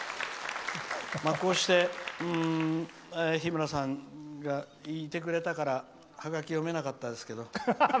こうして、日村さんがいてくれたからハガキが読めなかったですけど。